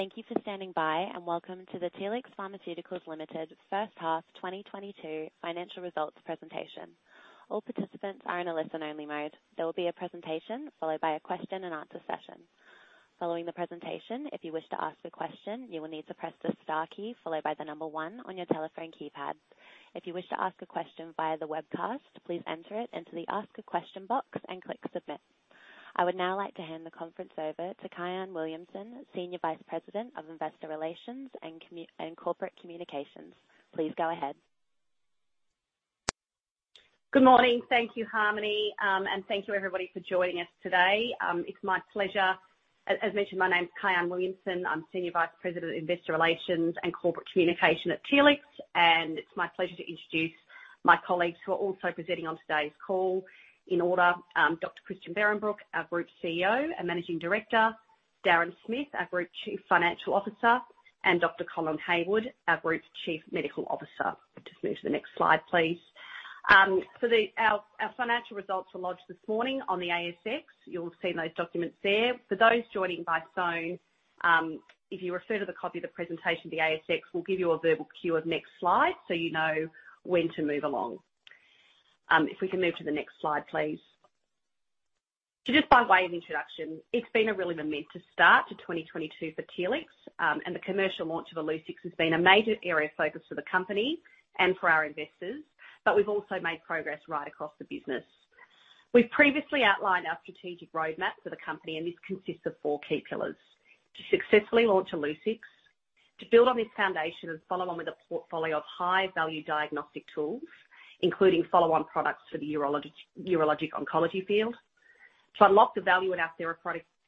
Thank you for standing by, and welcome to the Telix Pharmaceuticals Limited First Half 2022 Financial Results Presentation. All participants are in a listen-only mode. There will be a presentation followed by a question-and-answer session. Following the presentation, if you wish to ask a question, you will need to press the star key followed by the number one on your telephone keypad. If you wish to ask a question via the webcast, please enter it into the ask a question box and click Submit. I would now like to hand the conference over to Kyahn Williamson, Senior Vice President of Investor Relations and Corporate Communications. Please go ahead. Good morning. Thank you, Harmony. Thank you everybody for joining us today. It's my pleasure. As mentioned, my name is Kyahn Williamson. I'm Senior Vice President of Investor Relations and Corporate Communications at Telix, and it's my pleasure to introduce my colleagues who are also presenting on today's call. In order, Dr. Christian Behrenbruch, our Group CEO and Managing Director, Darren Smith, our Group Chief Financial Officer, and Dr. Colin Hayward, our Group's Chief Medical Officer. Just move to the next slide, please. Our financial results were lodged this morning on the ASX. You'll have seen those documents there. For those joining by phone, if you refer to the copy of the presentation on the ASX, we'll give you a verbal cue of next slide so you know when to move along. If we can move to the next slide, please. Just by way of introduction, it's been a really tremendous start to 2022 for Telix, and the commercial launch of Illuccix has been a major area of focus for the company and for our investors, but we've also made progress right across the business. We've previously outlined our strategic roadmap for the company, and this consists of four key pillars to successfully launch Illuccix, to build on this foundation and follow on with a portfolio of high-value diagnostic tools, including follow-on products for the urology, urologic oncology field, to unlock the value in our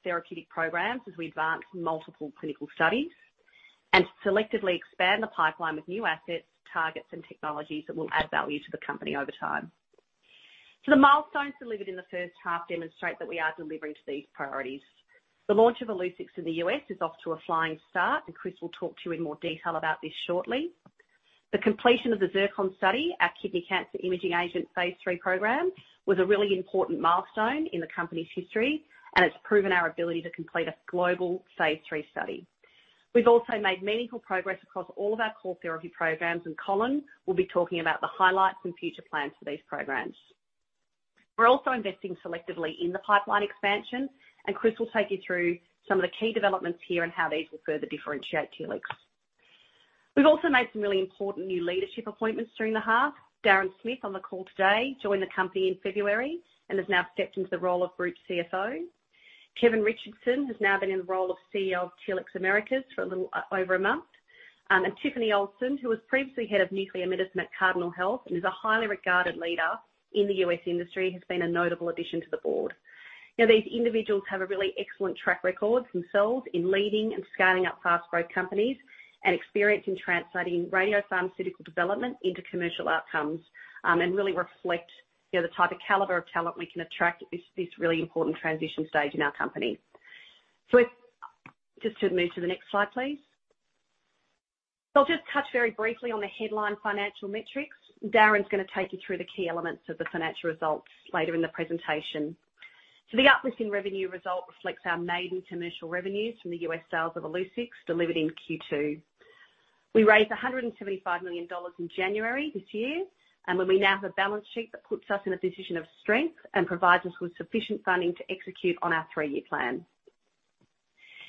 therapeutic programs as we advance multiple clinical studies, and to selectively expand the pipeline with new assets, targets, and technologies that will add value to the company over time. The milestones delivered in the first half demonstrate that we are delivering to these priorities. The launch of Illuccix in the U.S. is off to a flying start, and Chris will talk to you in more detail about this shortly. The completion of the ZIRCON study, our kidney cancer imaging agent Phase III program, was a really important milestone in the company's history, and it's proven our ability to complete a global Phase III study. We've also made meaningful progress across all of our core therapy programs, and Colin will be talking about the highlights and future plans for these programs. We're also investing selectively in the pipeline expansion, and Chris will take you through some of the key developments here and how these will further differentiate Telix. We've also made some really important new leadership appointments during the half. Darren Smith, on the call today, joined the company in February and has now stepped into the role of Group CFO. Kevin Richardson has now been in the role of CEO of Telix Americas for a little over a month. Tiffany Olson, who was previously head of nuclear medicine at Cardinal Health and is a highly regarded leader in the U.S. industry, has been a notable addition to the board. These individuals have a really excellent track record themselves in leading and scaling up fast growth companies and experience in translating radiopharmaceutical development into commercial outcomes, and really reflect, you know, the type of caliber of talent we can attract at this really important transition stage in our company. Just to move to the next slide, please. I'll just touch very briefly on the headline financial metrics. Darren's gonna take you through the key elements of the financial results later in the presentation. The uplisting revenue result reflects our maiden commercial revenues from the U.S. sales of Illuccix delivered in Q2. We raised $175 million in January this year, and when we now have a balance sheet, that puts us in a position of strength and provides us with sufficient funding to execute on our three-year plan.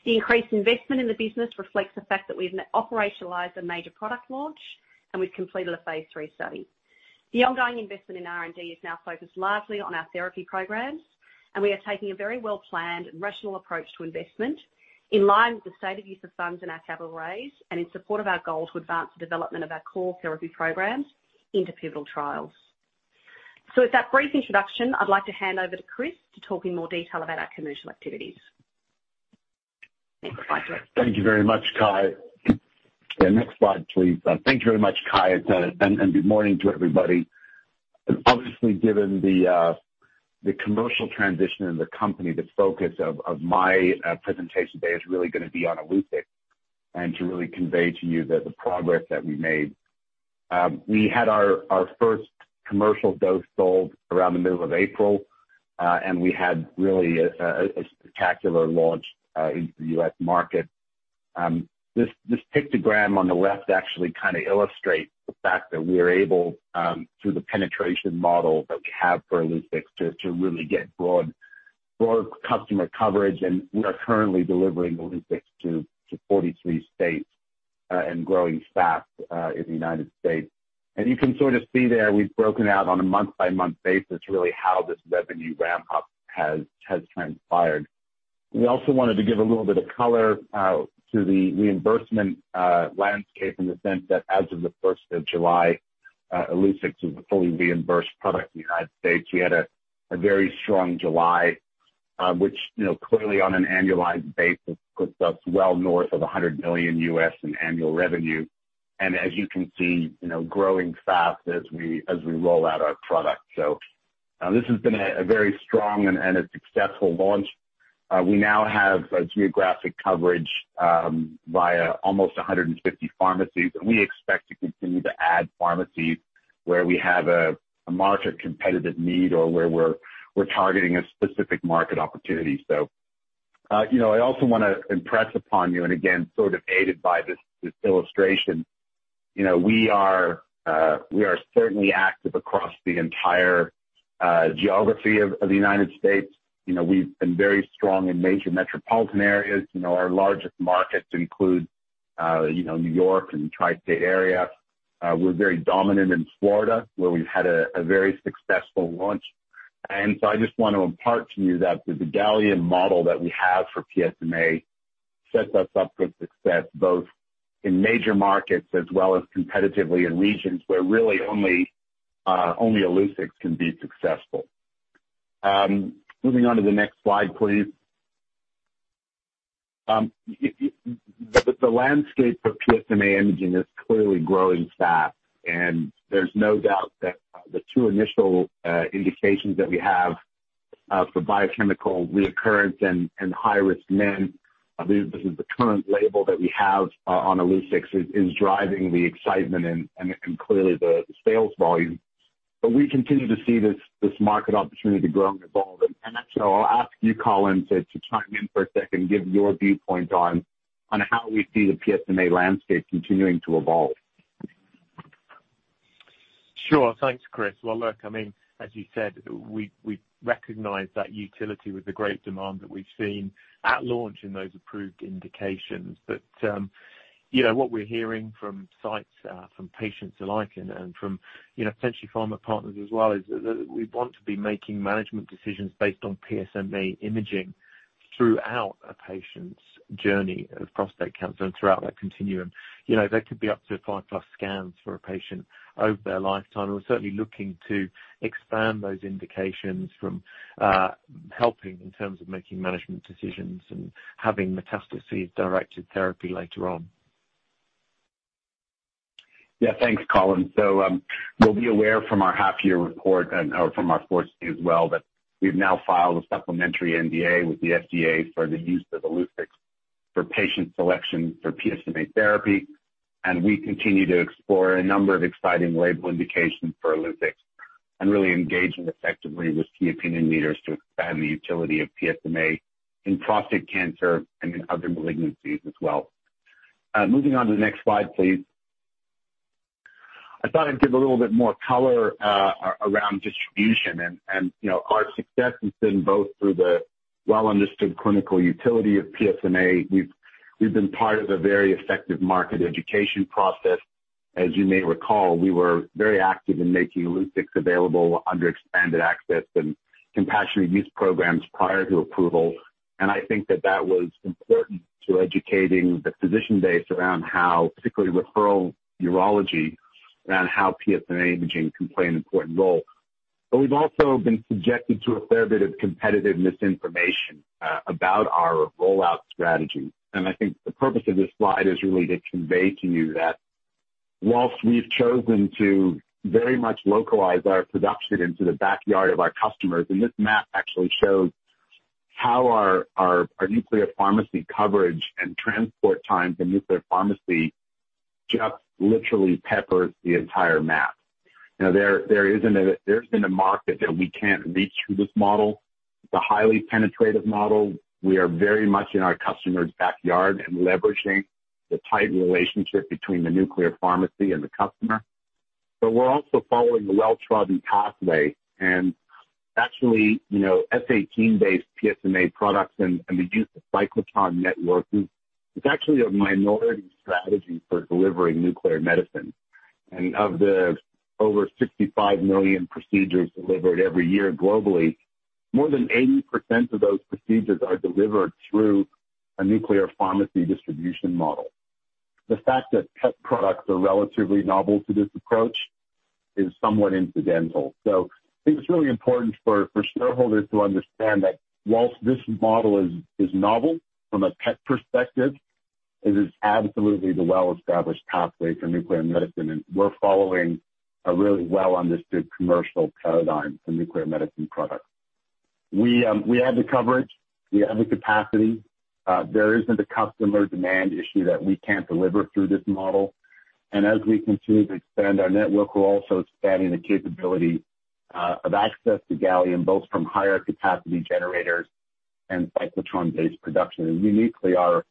The increased investment in the business reflects the fact that we've operationalized a major product launch, and we've completed a Phase III study. The ongoing investment in R&D is now focused largely on our therapy programs, and we are taking a very well-planned and rational approach to investment in line with the stated use of funds in our capital raise and in support of our goal to advance the development of our core therapy programs into pivotal trials. With that brief introduction, I'd like to hand over to Chris to talk in more detail about our commercial activities. Thank you very much, Kyahn. Yeah, next slide, please. Thank you very much, Kyahn, and good morning to everybody. Obviously, given the commercial transition in the company, the focus of my presentation today is really gonna be on Illuccix and to really convey to you that the progress that we made. We had our first commercial dose sold around the middle of April, and we had really a spectacular launch in the U.S. market. This pictogram on the left actually kinda illustrates the fact that we're able through the penetration model that we have for Illuccix to really get broad customer coverage. We are currently delivering Illuccix to 43 states and growing fast in the United States. You can sort of see there, we've broken out on a month-by-month basis, really how this revenue ramp-up has transpired. We also wanted to give a little bit of color to the reimbursement landscape in the sense that as of the first of July, Illuccix is a fully reimbursed product in the United States. We had a very strong July, which, you know, clearly on an annualized basis, puts us well north of $100 million in annual revenue. As you can see, you know, growing fast as we roll out our product. This has been a very strong and a successful launch. We now have a geographic coverage via almost 150 pharmacies, and we expect to continue to add pharmacies where we have a market competitive need or where we're targeting a specific market opportunity. You know, I also wanna impress upon you, and again, sort of aided by this illustration, you know, we are certainly active across the entire geography of the United States. You know, we've been very strong in major metropolitan areas. You know, our largest markets include New York and the Tri-State area. We're very dominant in Florida, where we've had a very successful launch. I just wanna impart to you that the gallium model that we have for PSMA sets us up for success, both in major markets as well as competitively in regions where really only Illuccix can be successful. Moving on to the next slide, please. The landscape for PSMA imaging is clearly growing fast, and there's no doubt that the two initial indications that we have for biochemical recurrence and high-risk men, this is the current label that we have on Illuccix, is driving the excitement and it can clearly drive the sales volume. But we continue to see this market opportunity grow and evolve. I'll ask you, Colin, to chime in for a second and give your viewpoint on how we see the PSMA landscape continuing to evolve. Sure. Thanks, Chris. Well, look, I mean, as you said, we recognize that utility with the great demand that we've seen at launch in those approved indications. You know, what we're hearing from sites, from patients alike and from, you know, potentially pharma partners as well, is that we want to be making management decisions based on PSMA imaging throughout a patient's journey of prostate cancer and throughout that continuum. You know, there could be up to five-plus scans for a patient over their lifetime. We're certainly looking to expand those indications from helping in terms of making management decisions and having metastases-directed therapy later on. Yeah. Thanks, Colin. You'll be aware from our half year report and/or from our fourth Q as well, that we've now filed a supplementary NDA with the FDA for the use of Illuccix for patient selection for PSMA therapy, and we continue to explore a number of exciting label indications for Illucccix and really engaging effectively with key opinion leaders to expand the utility of PSMA in prostate cancer and in other malignancies as well. Moving on to the next slide, please. I thought I'd give a little bit more color around distribution. You know, our success has been both through the well-understood clinical utility of PSMA. We've been part of a very effective market education process. As you may recall, we were very active in making Illuccix available under expanded access and compassionate use programs prior to approval. I think that was important to educating the physician base around how, particularly referral urology, around how PSMA imaging can play an important role. We've also been subjected to a fair bit of competitive misinformation about our rollout strategy. I think the purpose of this slide is really to convey to you that while we've chosen to very much localize our production into the backyard of our customers, and this map actually shows how our nuclear pharmacy coverage and transport times in nuclear pharmacy just literally peppers the entire map. You know, there isn't a market that we can't reach through this model. It's a highly penetrative model. We are very much in our customer's backyard and leveraging the tight relationship between the nuclear pharmacy and the customer. We're also following the well-trodden pathway and actually, you know, F18-based PSMA products and the use of cyclotron networks is actually a minority strategy for delivering nuclear medicine. Of the over 65 million procedures delivered every year globally, more than 80% of those procedures are delivered through a nuclear pharmacy distribution model. The fact that PET products are relatively novel to this approach is somewhat incidental. I think it's really important for shareholders to understand that while this model is novel from a PET perspective, it is absolutely the well-established pathway for nuclear medicine, and we're following a really well-understood commercial paradigm for nuclear medicine products. We, we have the coverage, we have the capacity. There isn't a customer demand issue that we can't deliver through this model. As we continue to expand our network, we're also expanding the capability of access to gallium, both from higher capacity generators and cyclotron-based production. Uniquely, our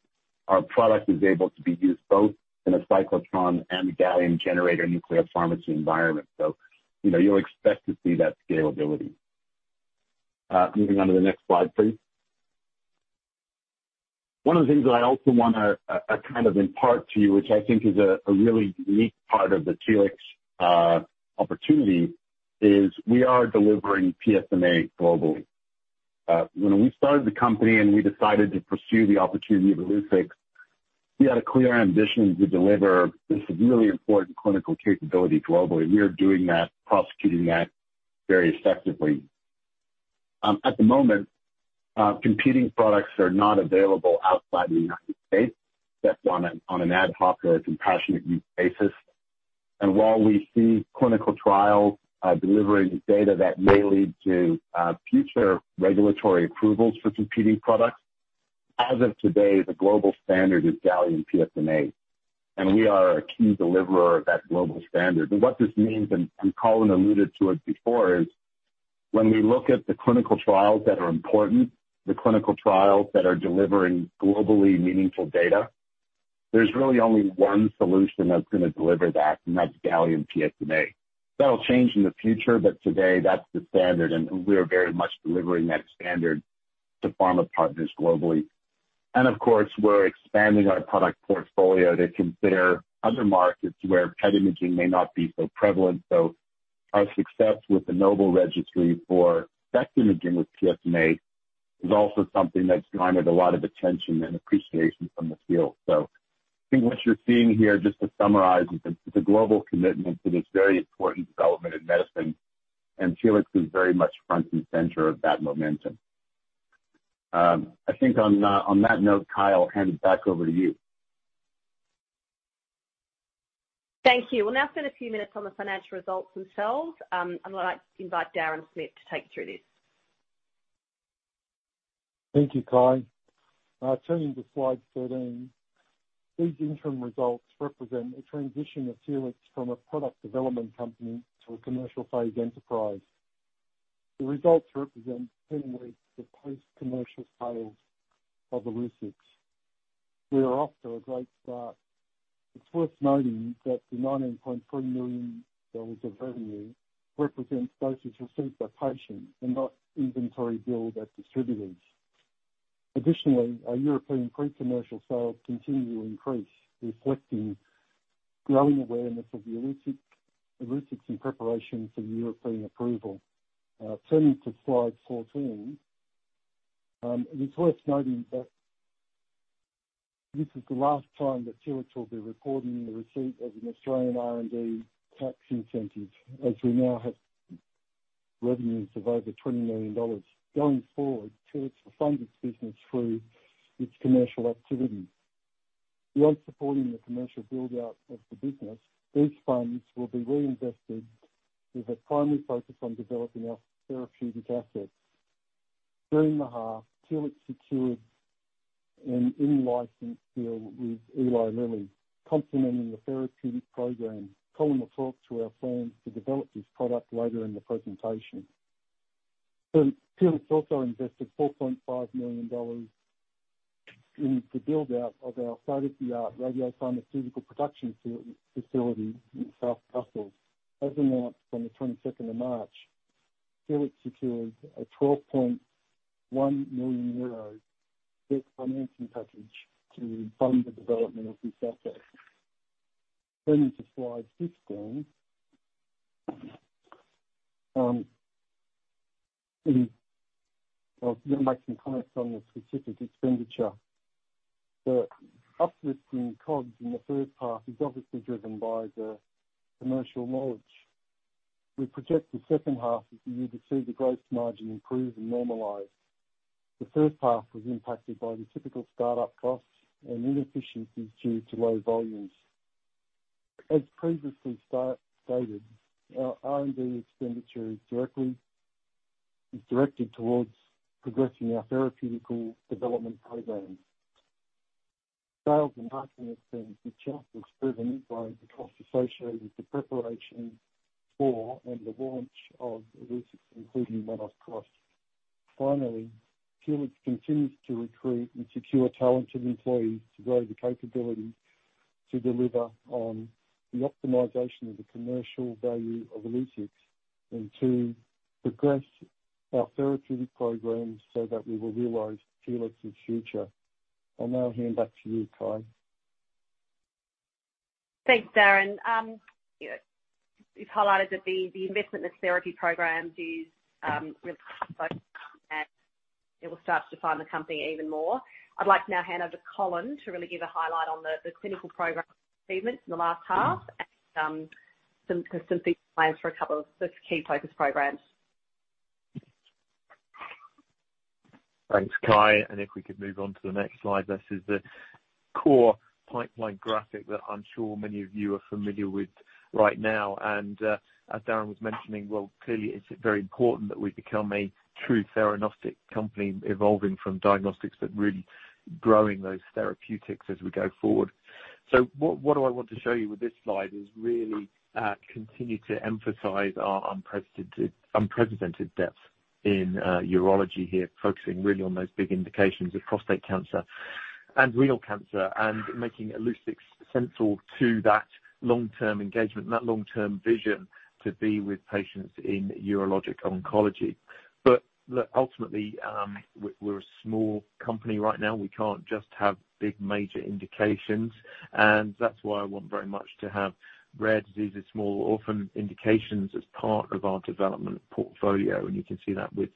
product is able to be used both in a cyclotron and gallium generator nuclear pharmacy environment. You know, you'll expect to see that scalability. Moving on to the next slide, please. One of the things that I also wanna kind of impart to you, which I think is a really unique part of the Telix opportunity, is we are delivering PSMA globally. When we started the company and we decided to pursue the opportunity of Illuccix, we had a clear ambition to deliver this really important clinical capability globally. We are doing that, prosecuting that very effectively. At the moment, competing products are not available outside the United States, that's on an ad hoc or a compassionate use basis. While we see clinical trials delivering data that may lead to future regulatory approvals for competing products. As of today, the global standard is gallium PSMA, and we are a key deliverer of that global standard. What this means, and Colin alluded to it before, is when we look at the clinical trials that are important, the clinical trials that are delivering globally meaningful data, there's really only one solution that's gonna deliver that, and that's gallium PSMA. That'll change in the future, but today that's the standard, and we are very much delivering that standard to pharma partners globally. Of course, we're expanding our product portfolio to consider other markets where PET imaging may not be so prevalent. Our success with the NOBLE registry for SPECT imaging with PSMA is also something that's garnered a lot of attention and appreciation from the field. I think what you're seeing here, just to summarize, is a global commitment to this very important development in medicine, and Illuccix is very much front and center of that momentum. I think on that note, Kyahn Williamson, hand it back over to you. Thank you. We'll now spend a few minutes on the financial results themselves. I'm gonna invite Darren Smith to take you through this. Thank you, Kyahn. Turning to slide 13, these interim results represent a transition of Telix from a product development company to a commercial phase enterprise. The results represent 10 weeks of post-commercial sales of Illuccix. We are off to a great start. It's worth noting that the $19.3 million of revenue represents doses received by patients and not inventory billed at distributors. Additionally, our European pre-commercial sales continue to increase, reflecting growing awareness of the Illuccix in preparation for the European approval. Turning to slide 14, it's worth noting that this is the last time that Telix will be reporting the receipt of an Australian R&D Tax Incentive, as we now have revenues of over $20 million. Going forward, Telix will fund its business through its commercial activities. Beyond supporting the commercial build-out of the business, these funds will be reinvested with a primary focus on developing our therapeutic assets. During the half, Telix secured an in-license deal with Eli Lilly, complementing the therapeutic program. Colin will talk to our plans to develop this product later in the presentation. Telix also invested $4.5 million in the build-out of our state-of-the-art radiopharmaceutical production facility in Seneffe. As announced on the 22nd of March, Telix secured a 12.1 million euro debt financing package to fund the development of this asset. Turning to slide 15, and I'll make some comments on the specific expenditure. The uplifts in COGS in the first half is obviously driven by the commercial launch. We project the second half of the year to see the gross margin improve and normalize. The first half was impacted by the typical start-up costs and inefficiencies due to low volumes. As previously stated, our R&D expenditure is directed towards progressing our therapeutic development program. Sales and marketing expense is chiefly driven by the costs associated with the preparation for and the launch of Illuccix, including launch costs. Finally, Telix continues to recruit and secure talented employees to grow the capability to deliver on the optimization of the commercial value of Illuccix and to progress our therapeutic programs so that we will realize Telix's future. I'll now hand back to you, Kyahn. Thanks, Darren. You've highlighted that the investment in the therapy program is really and it will start to define the company even more. I'd like to now hand over to Colin to really give a highlight on the clinical program achievements in the last half and some future plans for a couple of the key focus programs. Thanks, Kyahn, and if we could move on to the next slide, this is the core pipeline graphic that I'm sure many of you are familiar with right now. As Darren was mentioning, well, clearly, it's very important that we become a true Theranostic company evolving from diagnostics but really growing those therapeutics as we go forward. What I want to show you with this slide is really continue to emphasize our unprecedented depth in urology here, focusing really on those big indications of prostate cancer and renal cancer and making Illuccix central to that long-term engagement and that long-term vision to be with patients in urologic oncology. Look, ultimately, we're a small company right now. We can't just have big major indications, and that's why I want very much to have rare diseases, small orphan indications as part of our development portfolio. You can see that with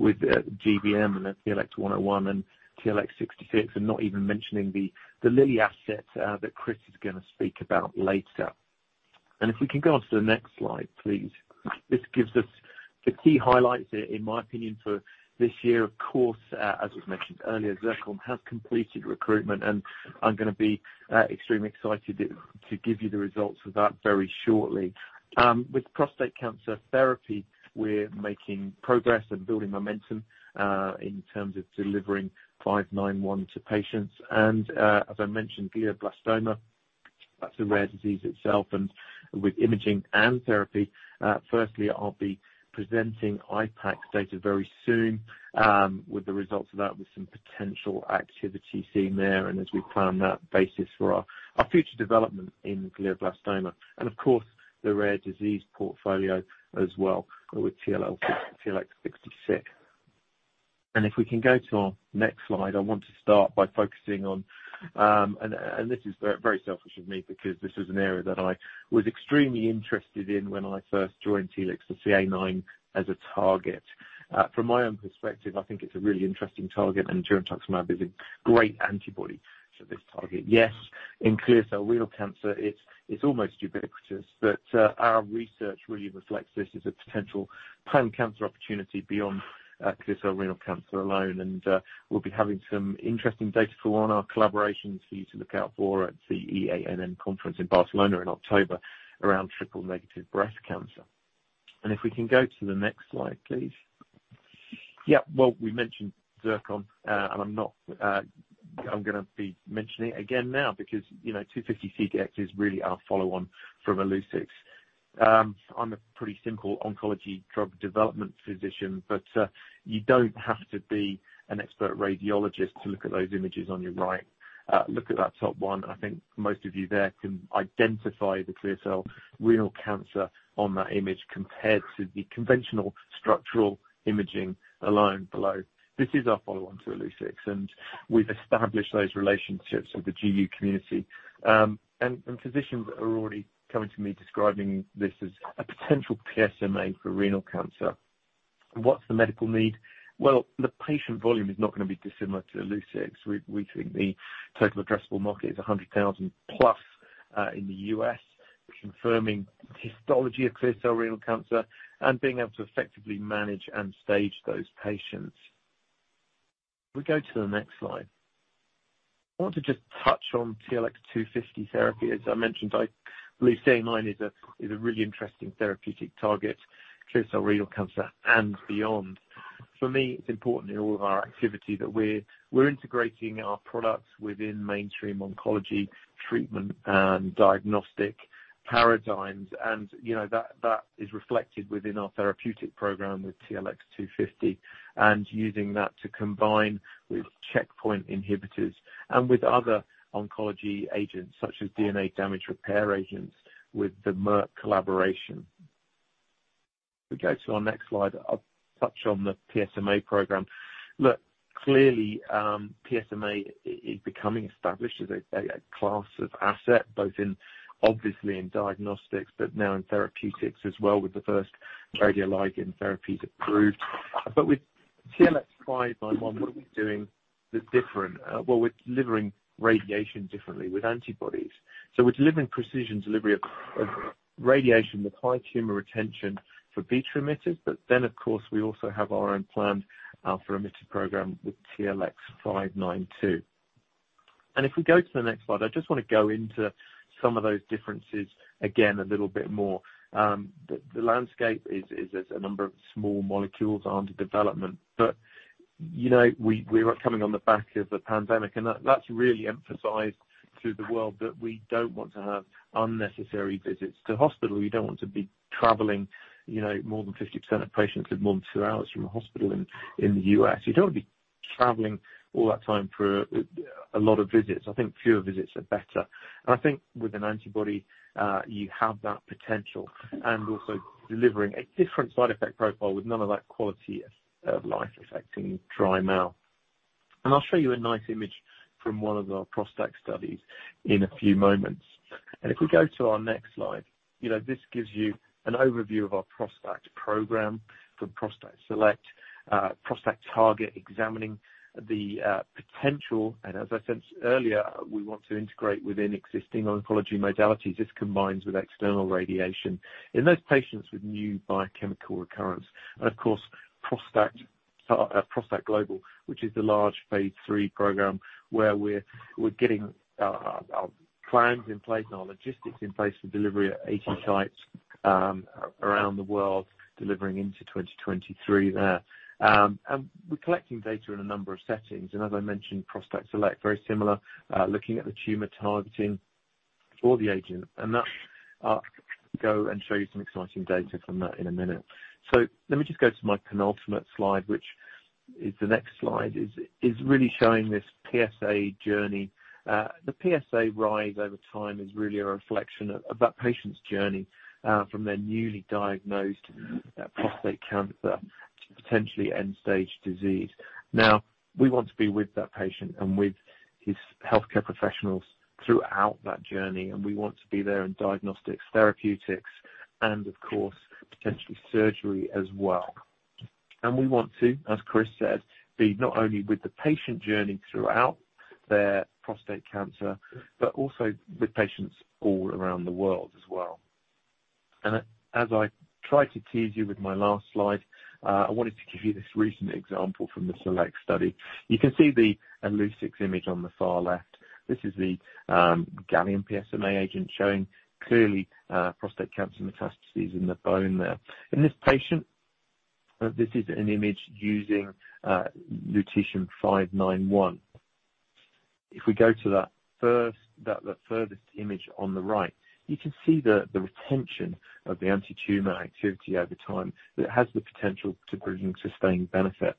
GBM and TLX-101 and TLX-66, and not even mentioning the Lilly asset that Chris is gonna speak about later. If we can go on to the next slide, please. This gives us the key highlights here, in my opinion, for this year. Of course, as was mentioned earlier, ZIRCON has completed recruitment, and I'm gonna be extremely excited to give you the results of that very shortly. With prostate cancer therapy, we're making progress and building momentum in terms of delivering TLX591 to patients. As I mentioned, glioblastoma. That's a rare disease itself and with imaging and therapy. Firstly, I'll be presenting IPAX's data very soon, with the results of that, with some potential activity seen there, and as we plan that basis for our future development in glioblastoma. Of course, the rare disease portfolio as well with TLX66. If we can go to our next slide, I want to start by focusing on this is very selfish of me because this is an area that I was extremely interested in when I first joined Telix, the CA-9 as a target. From my own perspective, I think it's a really interesting target, and girentuximab is a great antibody to this target. Yes, in clear cell renal cancer, it's almost ubiquitous. Our research really reflects this as a potential pan-cancer opportunity beyond clear cell renal cancer alone. We'll be having some interesting data to go on our collaboration for you to look out for at the EANM conference in Barcelona in October around triple-negative breast cancer. If we can go to the next slide, please. Yeah, well, we mentioned Zircon, and I'm gonna be mentioning it again now because, you know, TLX250-CDx is really our follow-on from Illuccix. I'm a pretty simple oncology drug development physician, but you don't have to be an expert radiologist to look at those images on your right. Look at that top one. I think most of you there can identify the clear cell renal cancer on that image compared to the conventional structural imaging alone below. This is our follow-on to Illuccix, and we've established those relationships with the GU community. Physicians are already coming to me describing this as a potential PSMA for renal cancer. What's the medical need? Well, the patient volume is not gonna be dissimilar to Illuccix. We think the total addressable market is 100,000 plus in the U.S., confirming histology of clear cell renal cancer and being able to effectively manage and stage those patients. We go to the next slide. I want to just touch on TLX250 therapy. As I mentioned, I believe CA-9 is a really interesting therapeutic target, clear cell renal cancer and beyond. For me, it's important in all of our activity that we're integrating our products within mainstream oncology treatment and diagnostic paradigms. You know, that is reflected within our therapeutic program with TLX250 and using that to combine with checkpoint inhibitors and with other oncology agents, such as DNA damage repair agents with the Merck collaboration. We go to our next slide. I'll touch on the PSMA program. Look, clearly, PSMA is becoming established as a class of asset, both in, obviously, in diagnostics, but now in therapeutics as well, with the first radioligand therapy approved. With TLX591, what we're doing that's different, well, we're delivering radiation differently with antibodies. We're delivering precision delivery of radiation with high tumor retention for beta emitters, but then, of course, we also have our own planned alpha emitter program with TLX592. If we go to the next slide, I just wanna go into some of those differences again a little bit more. The landscape is there's a number of small molecules under development. You know, we are coming on the back of a pandemic, and that's really emphasized to the world that we don't want to have unnecessary visits to hospital. We don't want to be traveling, you know, more than 50% of patients live more than two hours from a hospital in the US. You don't wanna be traveling all that time for a lot of visits. I think fewer visits are better. I think with an antibody, you have that potential and also delivering a different side effect profile with none of that quality of life-affecting dry mouth. I'll show you a nice image from one of our prostate studies in a few moments. If we go to our next slide, this gives you an overview of our ProstACT program from ProstACT Select, ProstACT Target examining the potential, and as I said earlier, we want to integrate within existing oncology modalities. This combines with external radiation. In those patients with new biochemical recurrence, and of course, ProstACT Global, which is the large Phase III program where we're getting our plans in place and our logistics in place for delivery at 80 sites around the world, delivering into 2023 there. We're collecting data in a number of settings, and as I mentioned, ProstACT Select, very similar, looking at the tumor targeting for the agent. That's, I'll go and show you some exciting data from that in a minute. Let me just go to my penultimate slide, which is the next slide. It really is showing this PSA journey. The PSA rise over time is really a reflection of that patient's journey, from their newly diagnosed prostate cancer to potentially end-stage disease. Now, we want to be with that patient and with his healthcare professionals throughout that journey, and we want to be there in diagnostics, therapeutics, and of course, potentially surgery as well. We want to, as Chris said, be not only with the patient journey throughout their prostate cancer but also with patients all around the world as well. As I try to tease you with my last slide, I wanted to give you this recent example from the ProstACT SELECT study. You can see the Illuccix image on the far left. This is the gallium PSMA agent showing clearly prostate cancer metastases in the bone there. This is an image using lutetium 591. If we go to that first, that furthest image on the right, you can see the retention of the antitumor activity over time that has the potential to produce sustained benefit.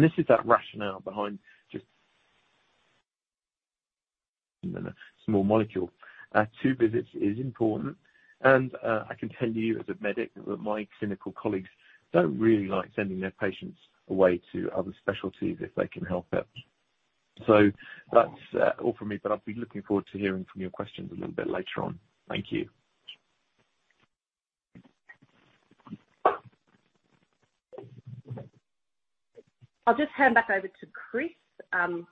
This is that rationale behind just small molecule. Two visits is important. I can tell you as a medic that my clinical colleagues don't really like sending their patients away to other specialties if they can help it. That's all from me, but I'll be looking forward to hearing from your questions a little bit later on. Thank you. I'll just hand back over to Chris,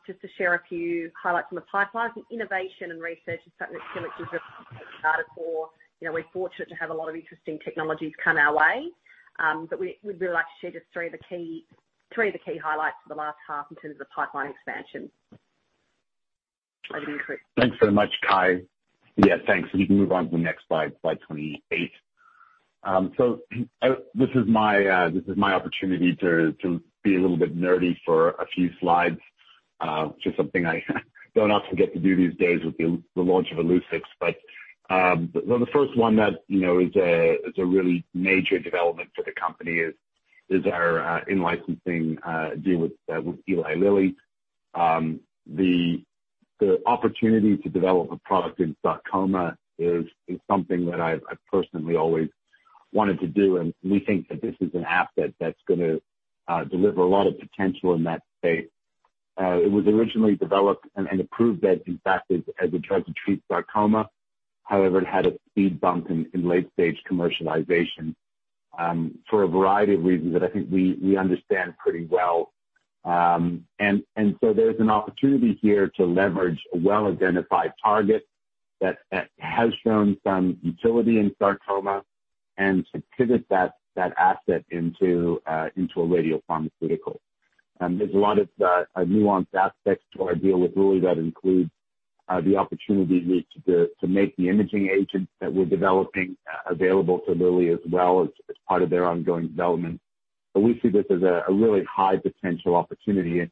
just to share a few highlights from the pipeline. Innovation and research is certainly something which is at the heart of our core. You know, we're fortunate to have a lot of interesting technologies come our way. But we'd really like to share just three of the key highlights for the last half in terms of pipeline expansion. Over to you, Chris. Thanks very much, Kyahn. Yeah, thanks. We can move on to the next slide 28. So this is my opportunity to be a little bit nerdy for a few slides. Just something I don't often get to do these days with the launch of Illuccix. The first one that, you know, is a really major development for the company is our in-licensing deal with Eli Lilly. The opportunity to develop a product in sarcoma is something that I've personally always wanted to do, and we think that this is an asset that's gonna deliver a lot of potential in that space. It was originally developed and approved as, in fact, as a drug to treat sarcoma. However, it had a speed bump in late-stage commercialization for a variety of reasons that I think we understand pretty well. There's an opportunity here to leverage a well-identified target that has shown some utility in sarcoma and to pivot that asset into a radiopharmaceutical. There's a lot of nuanced aspects to our deal with Lilly that includes the opportunity to make the imaging agent that we're developing available to Lilly as well as part of their ongoing development. We see this as a really high potential opportunity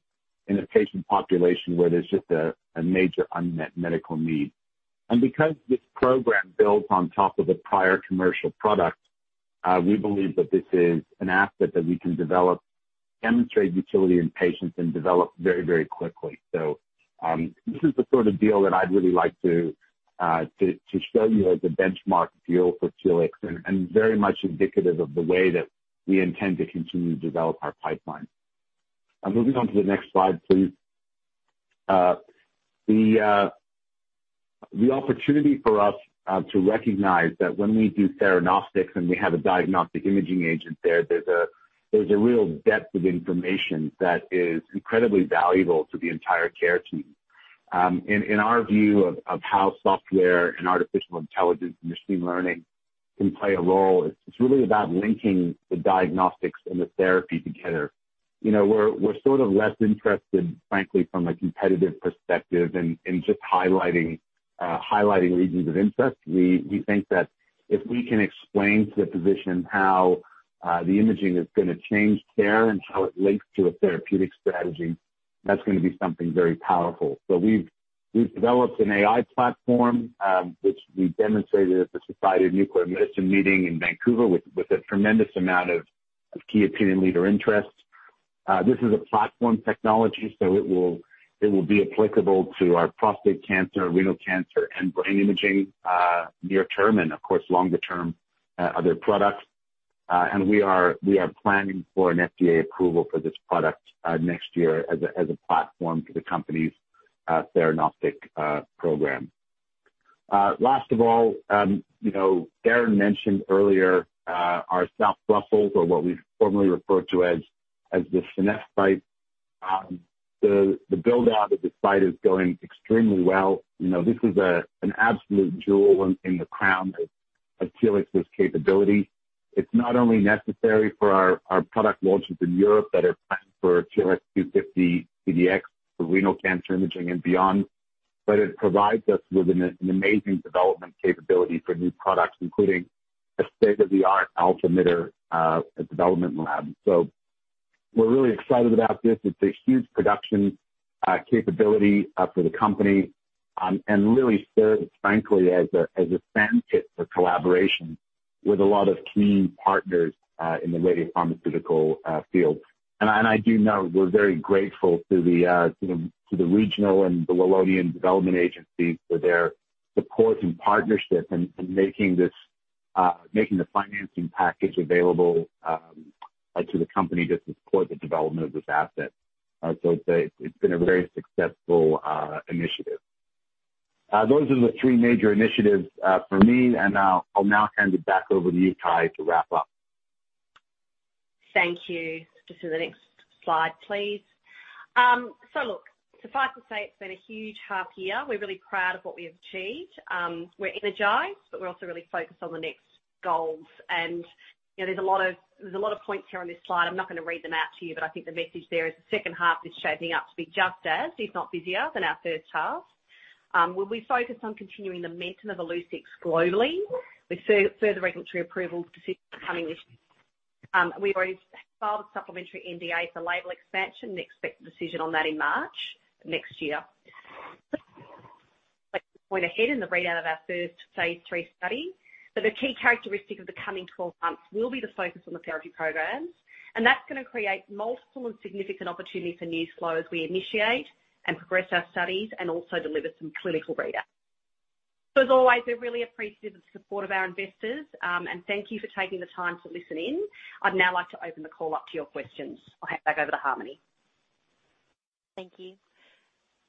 in a patient population where there's just a major unmet medical need. Because this program builds on top of a prior commercial product, we believe that this is an asset that we can develop, demonstrate utility in patients, and develop very, very quickly. This is the sort of deal that I'd really like to show you as a benchmark deal for Telix and very much indicative of the way that we intend to continue to develop our pipeline. Moving on to the next slide, please. The opportunity for us to recognize that when we do theranostics and we have a diagnostic imaging agent there's a real depth of information that is incredibly valuable to the entire care team. In our view of how software and artificial intelligence and machine learning can play a role, it's really about linking the diagnostics and the therapy together. You know, we're sort of less interested, frankly, from a competitive perspective in just highlighting regions of interest. We think that if we can explain to the physician how the imaging is gonna change care and how it links to a therapeutic strategy, that's gonna be something very powerful. We've developed an AI platform, which we demonstrated at the Society of Nuclear Medicine meeting in Vancouver with a tremendous amount of key opinion leader interest. This is a platform technology, so it will be applicable to our prostate cancer, renal cancer, and brain imaging, near term and of course, longer term, other products. We are planning for an FDA approval for this product next year as a platform for the company's theranostic program. Last of all, you know, Darren mentioned earlier, our South Brussels or what we formerly referred to as the Seneffe site. The build-out of the site is going extremely well. You know, this is an absolute jewel in the crown of Telix's capability. It's not only necessary for our product launches in Europe that are planned for TLX250-CDx for renal cancer imaging and beyond, but it provides us with an amazing development capability for new products, including a state-of-the-art alpha emitter development lab. We're really excited about this. It's a huge production capability for the company, and really serves, frankly, as a sandpit for collaboration with a lot of key partners in the radiopharmaceutical field. I do know we're very grateful to the regional and the Walloon development agencies for their support and partnership in making the financing package available to the company just to support the development of this asset. It's been a very successful initiative. Those are the three major initiatives for me, and I'll now hand it back over to you, Kyahn, to wrap up. Thank you. Just to the next slide, please. So look, suffice to say it's been a huge half year. We're really proud of what we have achieved. We're energized, but we're also really focused on the next goals. You know, there's a lot of points here on this slide. I'm not gonna read them out to you, but I think the message there is the second half is shaping up to be just as, if not busier than our first half. We'll be focused on continuing the momentum of Illuccix globally with further regulatory approval decisions coming this. We already filed a supplementary NDA for label expansion and expect a decision on that in March next year. Like to point ahead in the readout of our first Phase III study. The key characteristic of the coming 12 months will be the focus on the therapy programs, and that's gonna create multiple and significant opportunities for news flow as we initiate and progress our studies and also deliver some clinical readouts. As always, we're really appreciative of the support of our investors, and thank you for taking the time to listen in. I'd now like to open the call up to your questions. I'll hand back over to Harmony. Thank you.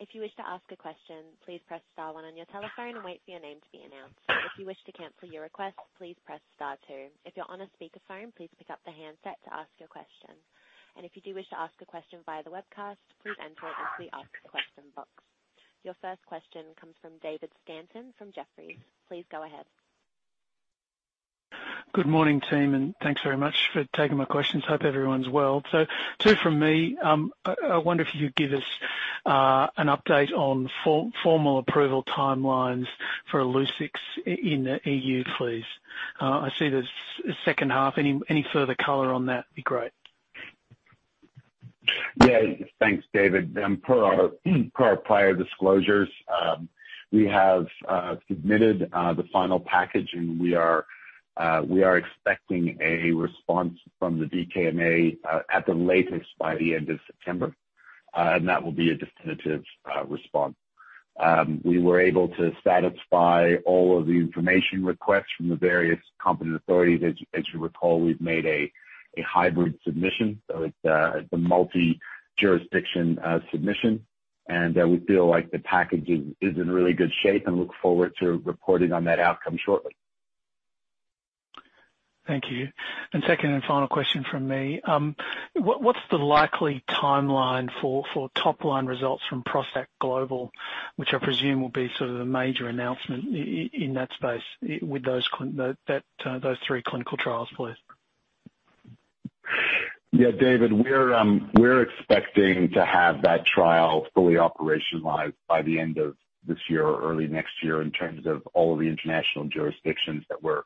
If you wish to ask a question, please press star one on your telephone and wait for your name to be announced. If you wish to cancel your request, please press star two. If you're on a speakerphone, please pick up the handset to ask your question. If you do wish to ask a question via the webcast, please enter it into the ask a question box. Your first question comes from David Stanton from Jefferies. Please go ahead. Good morning, team, and thanks very much for taking my questions. Hope everyone's well. Two from me. I wonder if you could give us an update on formal approval timelines for Illuccix in the EU, please. I see the second half. Any further color on that would be great. Yeah. Thanks, David. Per our prior disclosures, we have submitted the final package, and we are expecting a response from the DKMA at the latest by the end of September. That will be a definitive response. We were able to satisfy all of the information requests from the various competent authorities. As you recall, we've made a hybrid submission, so it's a multi-jurisdiction submission, and we feel like the package is in really good shape and look forward to reporting on that outcome shortly. Thank you. Second and final question from me. What's the likely timeline for top-line results from ProstACT Global, which I presume will be sort of the major announcement in that space with those three clinical trials, please? Yeah, David, we're expecting to have that trial fully operationalized by the end of this year or early next year in terms of all of the international jurisdictions that we're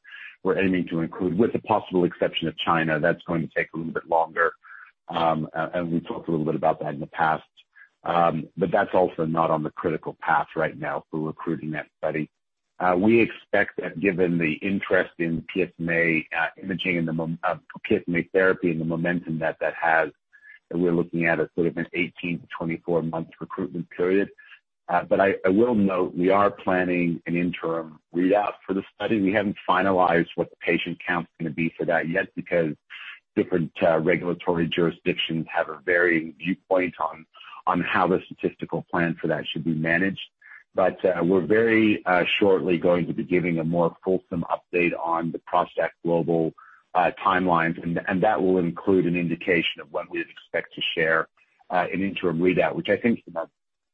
aiming to include, with the possible exception of China. That's going to take a little bit longer, and we've talked a little bit about that in the past. But that's also not on the critical path right now for recruiting that study. We expect that given the interest in PSMA imaging and the PSMA therapy and the momentum that that has, that we're looking at a sort of 18-24 month recruitment period. But I will note we are planning an interim readout for the study. We haven't finalized what the patient count's gonna be for that yet because different regulatory jurisdictions have a varying viewpoint on how the statistical plan for that should be managed. We're very shortly going to be giving a more fulsome update on the ProstACT Global timelines and that will include an indication of when we'd expect to share an interim readout, which I think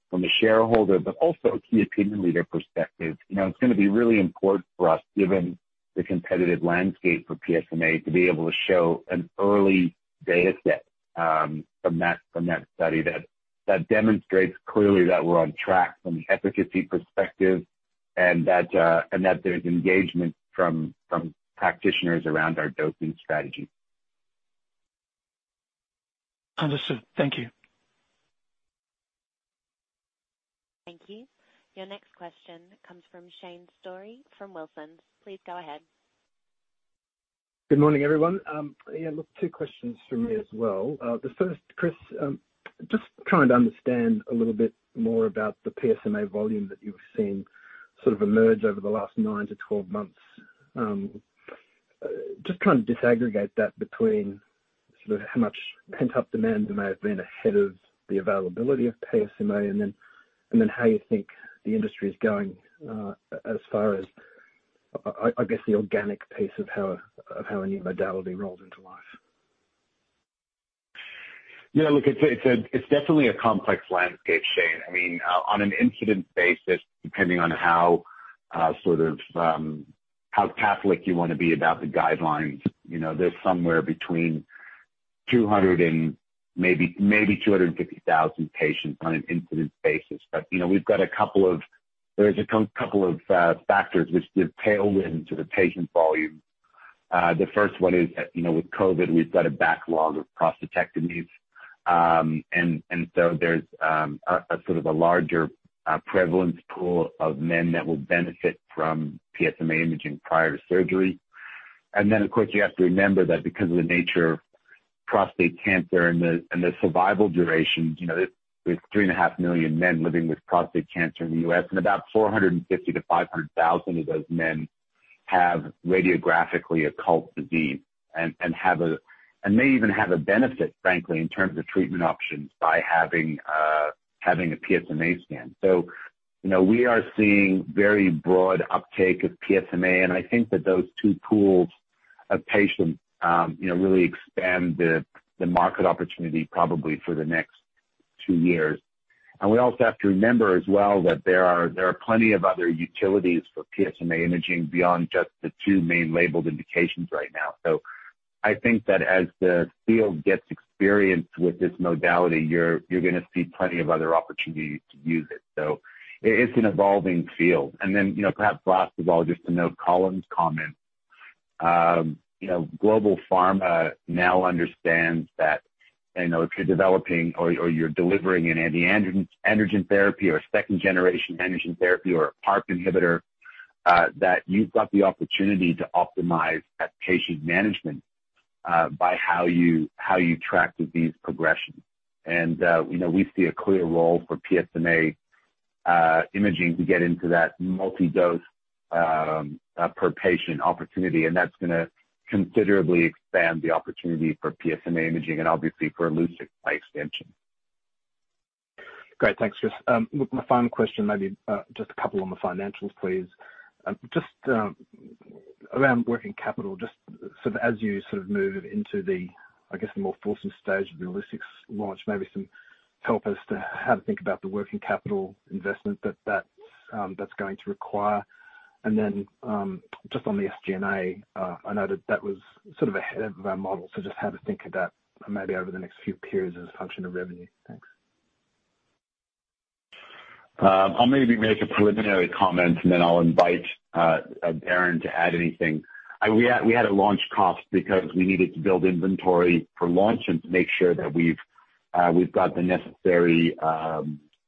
from a shareholder but also a key opinion leader perspective, you know, it's gonna be really important for us, given the competitive landscape for PSMA, to be able to show an early dataset from that study that demonstrates clearly that we're on track from the efficacy perspective and that there's engagement from practitioners around our dosing strategy. Understood. Thank you. Thank you. Your next question comes from Shane Storey from Wilsons. Please go ahead. Good morning, everyone. Yeah, look, two questions from me as well. The first, Chris, just trying to understand a little bit more about the PSMA volume that you've seen sort of emerge over the last nine to 12 months. Just trying to disaggregate that between sort of how much pent-up demand there may have been ahead of the availability of PSMA and then, and then how you think the industry is going, as far as I guess the organic piece of how a new modality rolls into life. Look, it's definitely a complex landscape, Shane. I mean, on an incidence basis, depending on how sort of how catholic you wanna be about the guidelines, you know, there's somewhere between 200 and maybe 250,000 patients on an incidence basis. You know, we've got a couple of factors which play into the patient volume. The first one is, you know, with COVID, we've got a backlog of prostatectomies. So there's a sort of larger prevalence pool of men that will benefit from PSMA imaging prior to surgery. Of course, you have to remember that because of the nature of prostate cancer and the survival durations, you know, there's 3.5 million men living with prostate cancer in the U.S., and about 450,000-500,000 of those men have radiographically occult disease and may even have a benefit, frankly, in terms of treatment options by having a PSMA scan. You know, we are seeing very broad uptake of PSMA, and I think that those two pools of patients, you know, really expand the market opportunity probably for the next two years. We also have to remember as well that there are plenty of other utilities for PSMA imaging beyond just the two main labeled indications right now. I think that as the field gets experience with this modality, you're gonna see plenty of other opportunities to use it. It's an evolving field. You know, perhaps last of all, just to note Colin's comment. You know, global pharma now understands that, you know, if you're developing or you're delivering an anti-androgen therapy or a second generation androgen therapy or a PARP inhibitor, that you've got the opportunity to optimize that patient management by how you track disease progression. You know, we see a clear role for PSMA imaging to get into that multi-dose per patient opportunity, and that's gonna considerably expand the opportunity for PSMA imaging and obviously for Illuccix by extension. Great. Thanks, Chris. Look, my final question maybe, just a couple on the financials, please. Just, around working capital, just sort of as you sort of move into the, I guess, the more fulsome stage of the Illuccix launch, maybe some help as to how to think about the working capital investment that that's going to require. Just on the SG&A, I know that that was sort of ahead of our model, so just how to think of that maybe over the next few periods as a function of revenue. Thanks. I'll maybe make a preliminary comment, and then I'll invite Darren to add anything. We had a launch cost because we needed to build inventory for launch and to make sure that we've got the necessary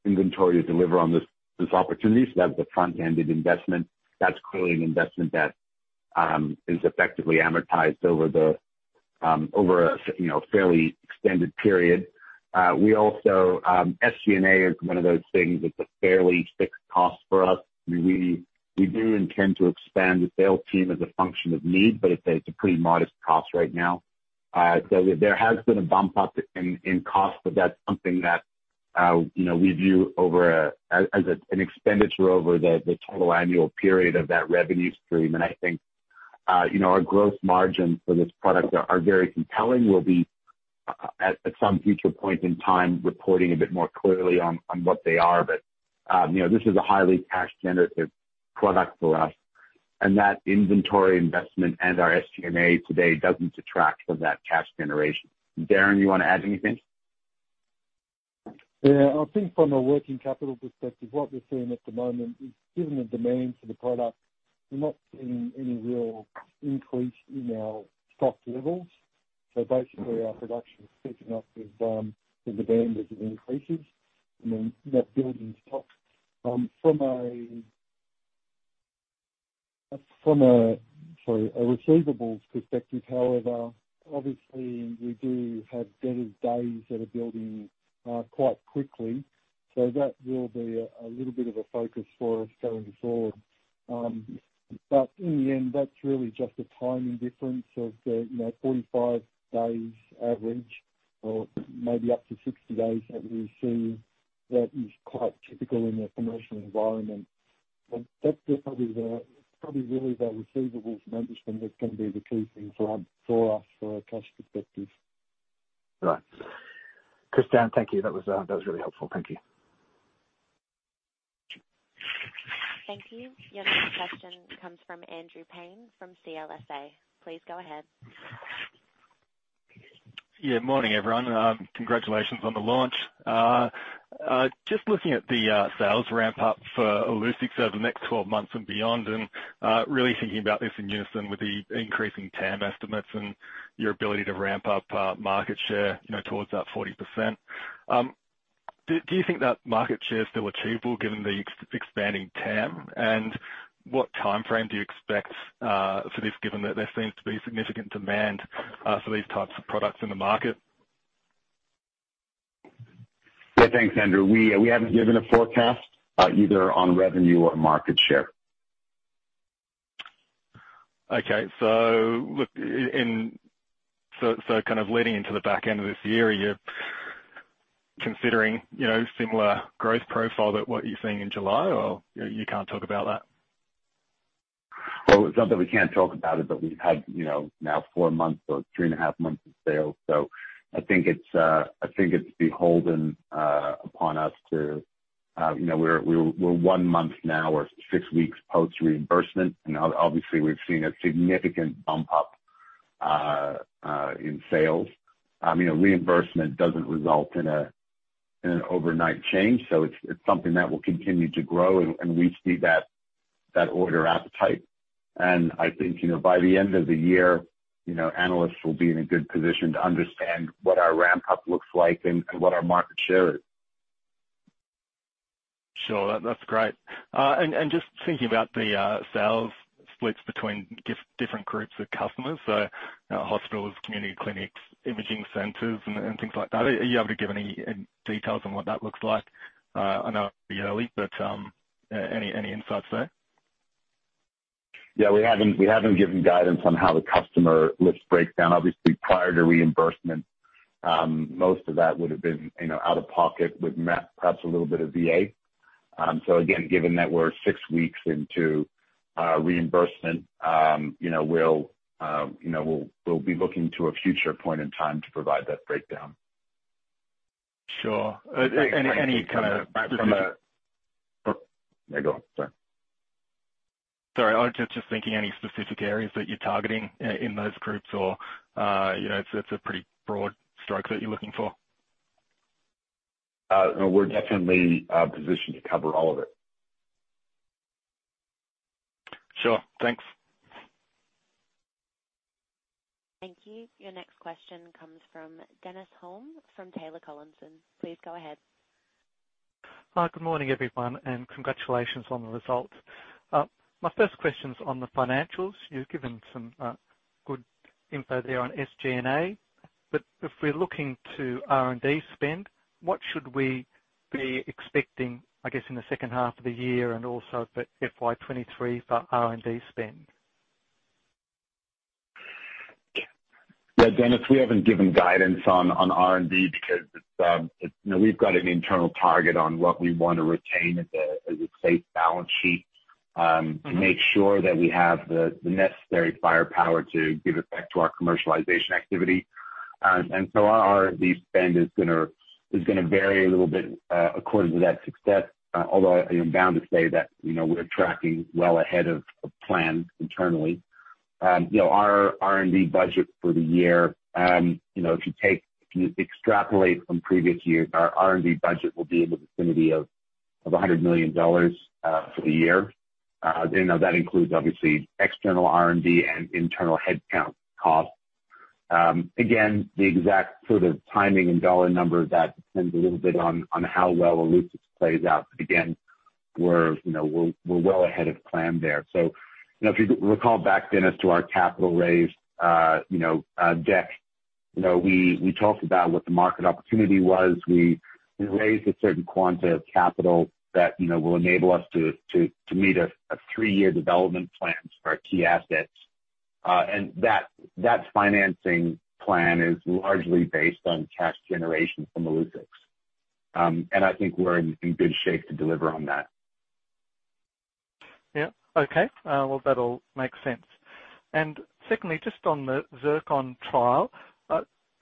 inventory to deliver on this opportunity, so that's the front-ended investment. That's clearly an investment that is effectively amortized over a you know fairly extended period. We also, SG&A is one of those things that's a fairly fixed cost for us. We do intend to expand the sales team as a function of need, but it's a pretty modest cost right now. So there has been a bump up in cost, but that's something that you know we view over a... as an expenditure over the total annual period of that revenue stream. I think, you know, our gross margin for this product are very compelling. We'll be at some future point in time reporting a bit more clearly on what they are. you know, this is a highly cash generative product for us, and that inventory investment and our SG&A today doesn't detract from that cash generation. Darren, you wanna add anything? Yeah. I think from a working capital perspective, what we're seeing at the moment is given the demand for the product, we're not seeing any real increase in our stock levels. Basically our production is catching up with the bandwidth of increases and then not building stock. From a receivables perspective, however, obviously we do have debtor days that are building quite quickly, so that will be a little bit of a focus for us going forward. In the end, that's really just a timing difference of the 45 days average or maybe up to 60 days that we're seeing that is quite typical in a commercial environment. That's just probably really the receivables management that's gonna be the key thing for us from a cash perspective. Right. Chris, Darren, thank you. That was really helpful. Thank you. Thank you. Your next question comes from Andrew Paine from CLSA. Please go ahead. Yeah. Morning, everyone. Congratulations on the launch. Just looking at the sales ramp up for Illuccix over the next 12 months and beyond, and really thinking about this in unison with the increasing TAM estimates and your ability to ramp up market share, you know, towards that 40%. Do you think that market share is still achievable given the expanding TAM, and what timeframe do you expect for this, given that there seems to be significant demand for these types of products in the market? Yeah. Thanks, Andrew. We haven't given a forecast either on revenue or market share. Okay. Look, kind of leading into the back end of this year, you're considering, you know, similar growth profile to what you're seeing in July, or you can't talk about that? Well, it's not that we can't talk about it, but we've had, you know, now four months or three and a half months of sales. I think it's, I think it's beholden upon us to, you know, we're one month now or six weeks post reimbursement, and obviously we've seen a significant bump up in sales. I mean, a reimbursement doesn't result in an overnight change, so it's something that will continue to grow and we see that order appetite. I think, you know, by the end of the year, you know, analysts will be in a good position to understand what our ramp up looks like and what our market share is. Sure. That's great. Just thinking about the sales splits between different groups of customers, so hospitals, community clinics, imaging centers and things like that. Are you able to give any details on what that looks like? I know it might be early, but any insights there? Yeah. We haven't given guidance on how the customer list breaks down. Obviously, prior to reimbursement, most of that would've been, you know, out of pocket with perhaps a little bit of VA. Again, given that we're six weeks into reimbursement, you know, we'll be looking to a future point in time to provide that breakdown. Sure. Any kind of specific- Yeah, go on. Sorry. Sorry, I was just thinking any specific areas that you're targeting in those groups or, you know, it's a pretty broad stroke that you're looking for. No, we're definitely positioned to cover all of it. Sure. Thanks. Thank you. Your next question comes from Dennis Hulme from Taylor Collison. Please go ahead. Good morning, everyone, and congratulations on the results. My first question's on the financials. You've given some good info there on SG&A, but if we're looking to R&D spend, what should we be expecting, I guess, in the second half of the year and also for FY 2023 for R&D spend? Yeah, Dennis, we haven't given guidance on R&D because it's. You know, we've got an internal target on what we wanna retain as a safe balance sheet. Mm-hmm. To make sure that we have the necessary firepower to give effect to our commercialization activity. Our R&D spend is gonna vary a little bit according to that success. Although I am bound to say that, you know, we're tracking well ahead of plan internally. You know, our R&D budget for the year, you know, if you extrapolate from previous years, our R&D budget will be in the vicinity of 100 million dollars for the year. You know, that includes obviously external R&D and internal headcount costs. Again, the exact sort of timing and dollar number, that depends a little bit on how well Illuccix plays out. Again, you know, we're well ahead of plan there. You know, if you recall back, Dennis, to our capital raise, you know, deck, you know, we talked about what the market opportunity was. We raised a certain quantity of capital that will enable us to meet a three-year development plan for our key assets. That financing plan is largely based on cash generation from Illuccix. I think we're in good shape to deliver on that. Yeah. Okay. Well, that all makes sense. Secondly, just on the ZIRCON trial,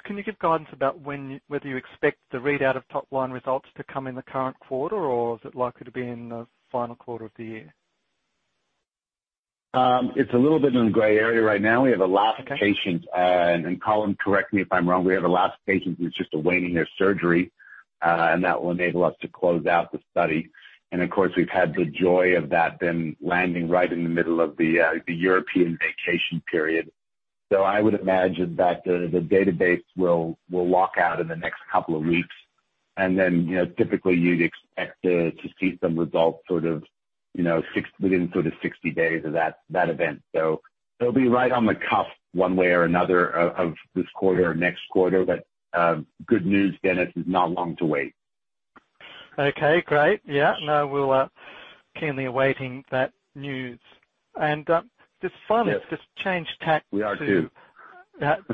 can you give guidance about whether you expect the readout of top-line results to come in the current quarter, or is it likely to be in the final quarter of the year? It's a little bit in a gray area right now. Okay. Colin, correct me if I'm wrong. We have a last patient who's just awaiting their surgery, and that will enable us to close out the study. Of course, we've had the joy of that then landing right in the middle of the European vacation period. I would imagine that the database will walk out in the next couple of weeks. Then, typically, you'd expect to see some results sort of within sort of 60 days of that event. It'll be right on the cusp one way or another of this quarter or next quarter. Good news, Dennis, it's not long to wait. Okay, great. Yeah. No, we'll keenly awaiting that news. Just finally- Yes. Just change tack to. We are too.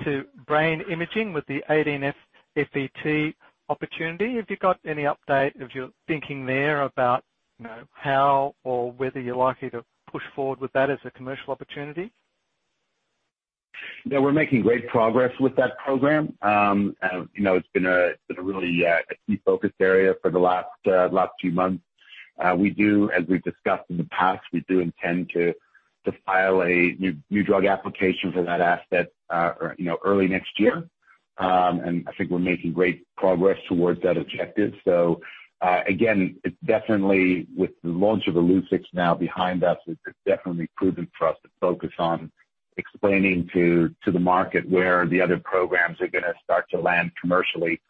to brain imaging with the 18F-FET opportunity. Have you got any update of your thinking there about, you know, how or whether you're likely to push forward with that as a commercial opportunity? Yeah. We're making great progress with that program. You know, it's been a really key focus area for the last few months. We do, as we've discussed in the past, intend to file a new drug application for that asset, you know, early next year. I think we're making great progress towards that objective. Again, it's definitely with the launch of Illuccix now behind us, it's definitely prudent for us to focus on explaining to the market where the other programs are gonna start to land commercially.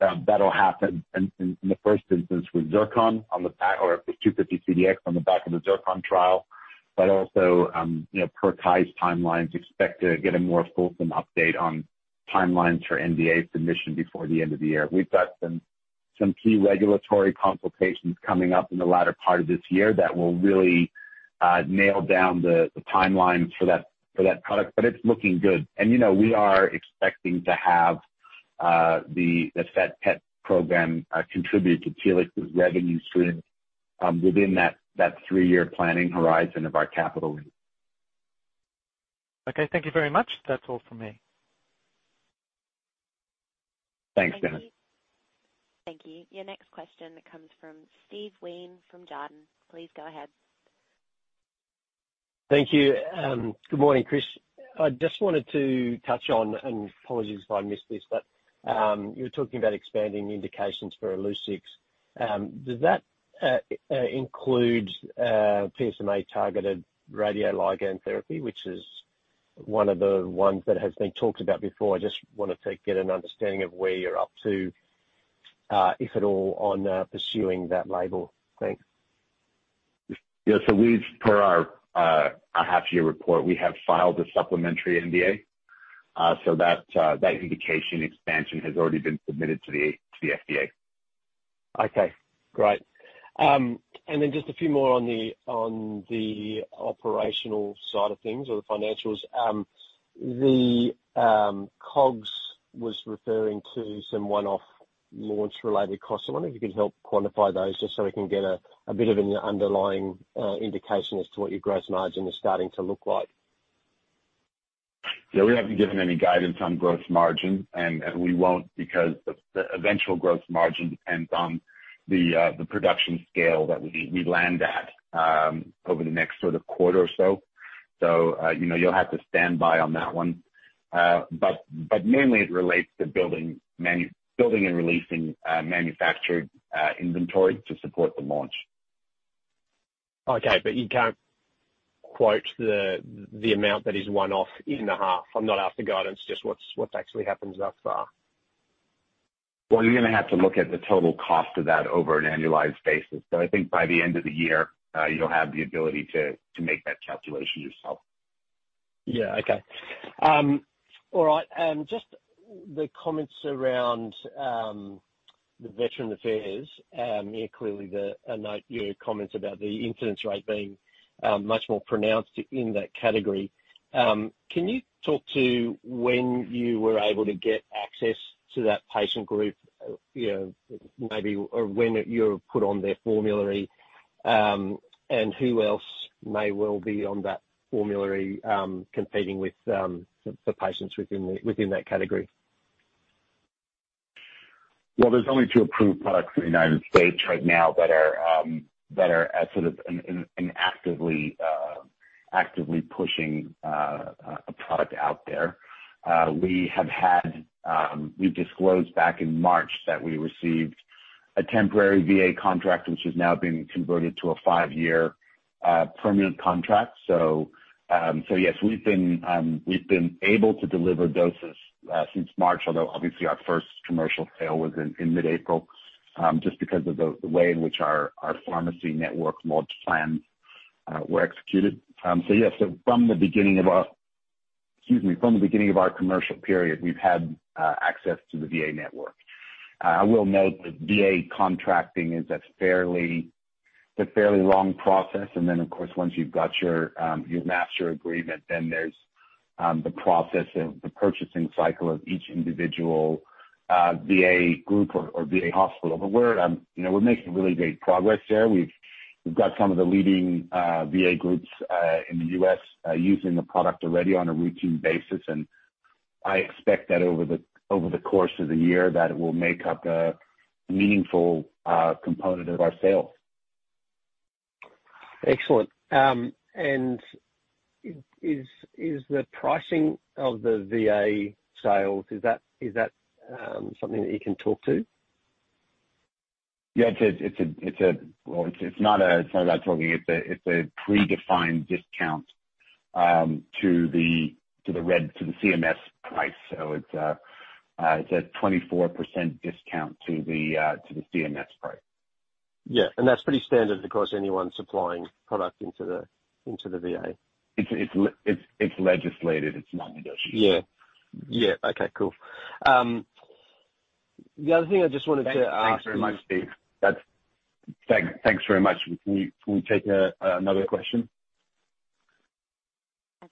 That'll happen in the first instance with ZIRCON on the back or with TLX250-CDx on the back of the ZIRCON trial, but also, you know, per Telix's timelines, expect to get a more fulsome update on timelines for NDA submission before the end of the year. We've got some key regulatory consultations coming up in the latter part of this year that will really nail down the timelines for that product, but it's looking good. You know, we are expecting to have the FET PET program contribute to Telix's revenue stream within that three-year planning horizon of our capital raise. Okay, thank you very much. That's all for me. Thanks, Dennis. Thank you. Your next question comes from Steve Wheen from Jarden. Please go ahead. Thank you. Good morning, Chris. I just wanted to touch on, and apologies if I missed this, but you were talking about expanding the indications for Illuccix. Does that include PSMA-targeted radioligand therapy, which is one of the ones that has been talked about before? I just wanted to get an understanding of where you're up to, if at all, on pursuing that label. Thanks. We've, per our half-year report, we have filed a supplementary NDA. That indication expansion has already been submitted to the FDA. Okay. Great. And then just a few more on the operational side of things or the financials. The COGS was referring to some one-off launch related costs. I wonder if you could help quantify those just so we can get a bit of an underlying indication as to what your gross margin is starting to look like. Yeah, we haven't given any guidance on gross margin, and we won't because the eventual gross margin depends on the production scale that we land at over the next sort of quarter or so. You know, you'll have to stand by on that one. Mainly it relates to building and releasing manufactured inventory to support the launch. Okay. You can't quote the amount that is one-off in the half. I'm not after guidance, just what's actually happened thus far. Well, you're gonna have to look at the total cost of that over an annualized basis. I think by the end of the year, you'll have the ability to make that calculation yourself. Yeah. Okay. All right. Just the comments around the Veterans Affairs. Yeah, clearly I note your comments about the incidence rate being much more pronounced in that category. Can you talk to when you were able to get access to that patient group, you know, maybe when you were put on their formulary, and who else may well be on that formulary, competing with the patients within that category? Well, there's only two approved products in the United States right now that are sort of actively pushing a product out there. We've disclosed back in March that we received a temporary VA contract, which has now been converted to a five-year permanent contract. Yes, we've been able to deliver doses since March, although obviously our first commercial sale was in mid-April just because of the way in which our pharmacy network launch plans were executed. From the beginning of our commercial period, we've had access to the VA network. I will note that VA contracting is a fairly long process, and then of course, once you've matched your agreement, then there's the process of the purchasing cycle of each individual VA group or VA hospital. But we're making really great progress there. We've got some of the leading VA groups in the U.S. using the product already on a routine basis. I expect that over the course of the year, that it will make up a meaningful component of our sales. Excellent. Is the pricing of the VA sales, is that something that you can talk to? It's a predefined discount to the Red Book to the CMS price. Well, it's not about talking. It's a 24% discount to the CMS price. Yeah. That's pretty standard across anyone supplying product into the VA. It's legislated. It's non-negotiable. Yeah. Yeah. Okay. Cool. The other thing I just wanted to ask. Thanks very much, Steve. Thanks very much. Can we take another question?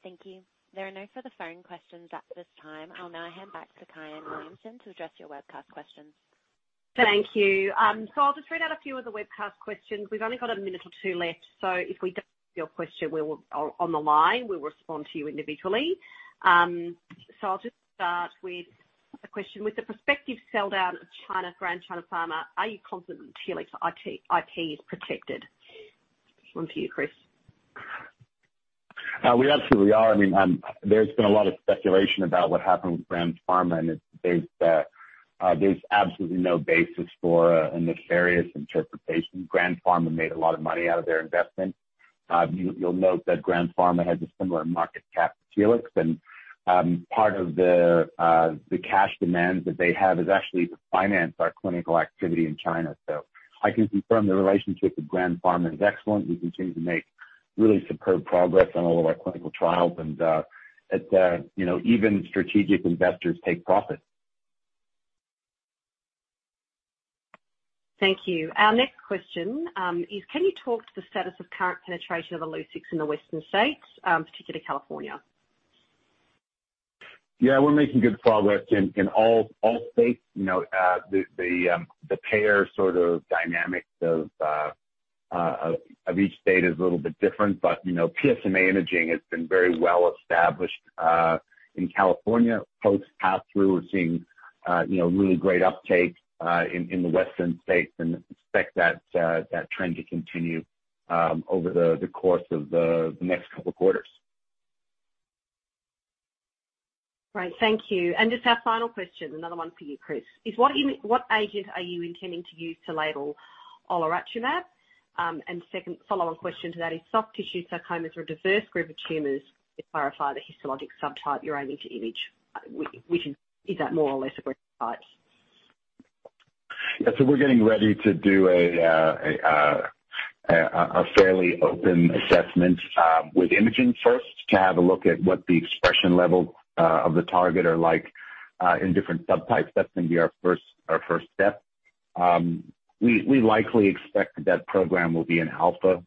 Thank you. There are no further phone questions at this time. I'll now hand back to Kyahn Williamson to address your webcast questions. Thank you. I'll just read out a few of the webcast questions. We've only got a minute or two left, so if we don't get to your question, we'll respond to you individually on the line. I'll just start with a question. With the prospective sell down of China Grand Pharma, are you confident Telix IP is protected? One to you, Chris. We absolutely are. I mean, there's been a lot of speculation about what happened with Grand Pharma, and there's absolutely no basis for a nefarious interpretation. Grand Pharma made a lot of money out of their investment. You'll note that Grand Pharma has a similar market cap to Telix. Part of the cash demands that they have is actually to finance our clinical activity in China. I can confirm the relationship with Grand Pharma is excellent. We continue to make really superb progress on all of our clinical trials. You know, even strategic investors take profit. Thank you. Our next question is, can you talk to the status of current penetration of Illuccix in the Western states, particularly California? Yeah. We're making good progress in all states. You know, the payer sort of dynamics of each state is a little bit different. You know, PSMA imaging has been very well established in California. Post pass-through, we're seeing really great uptake in the Western states and expect that trend to continue over the course of the next couple quarters. Great. Thank you. Just our final question, another one for you, Chris. What agent are you intending to use to label olaratumab? Second follow-on question to that is, soft tissue sarcomas are a diverse group of tumors. To clarify the histologic subtype you're aiming to image. Which is? Is that more or less a subtype? Yeah. We're getting ready to do a fairly open assessment with imaging first to have a look at what the expression level of the target are like in different subtypes. That's gonna be our first step. We likely expect that program will be an alpha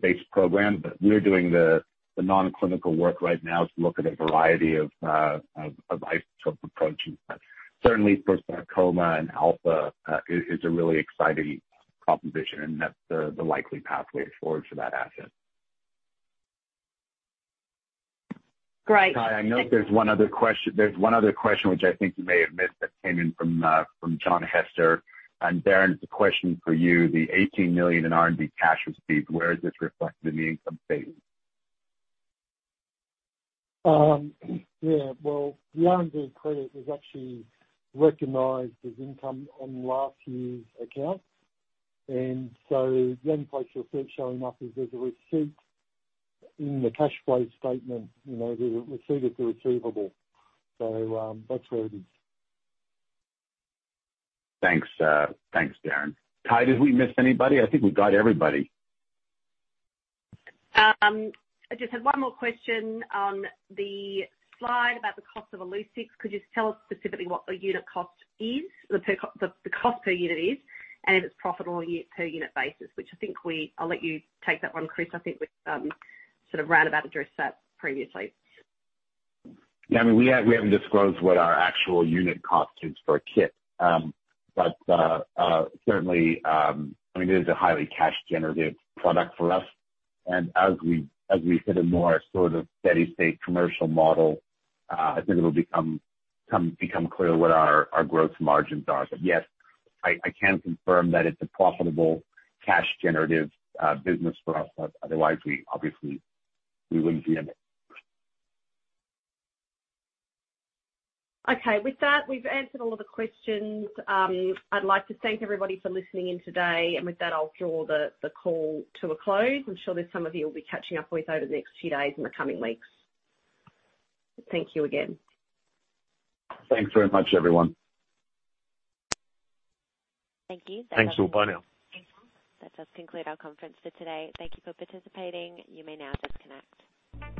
based program, but we're doing the non-clinical work right now to look at a variety of isotope approaches. Certainly for sarcoma and alpha is a really exciting proposition and that's the likely pathway forward for that asset. Great. Kyahn, I know there's one other question which I think you may have missed that came in from John Hester. Darren, it's a question for you. The 18 million in R&D cash received, where is this reflected in the income statement? Yeah, well, the R&D credit was actually recognized as income on last year's account. The only place you'll see it showing up is there's a receipt in the cash flow statement, you know, the receipt of the receivable. That's where it is. Thanks, Darren. Kyahn, did we miss anybody? I think we got everybody. I just had one more question on the slide about the cost of Illuccix. Could you just tell us specifically what the unit cost is? The cost per unit is, and if it's profitable per unit basis. I'll let you take that one, Chris. I think we sort of roundabout addressed that previously. Yeah, I mean, we haven't disclosed what our actual unit cost is for a kit. But certainly, I mean, it is a highly cash generative product for us. As we hit a more sort of steady state commercial model, I think it'll become clear what our growth margins are. But yes, I can confirm that it's a profitable cash generative business for us. Otherwise, we obviously wouldn't be in it. Okay. With that, we've answered all of the questions. I'd like to thank everybody for listening in today, and with that I'll draw the call to a close. I'm sure there's some of you we'll be catching up with over the next few days and the coming weeks. Thank you again. Thanks very much everyone. Thank you. Thanks all. Bye now. That does conclude our conference for today. Thank you for participating. You may now disconnect.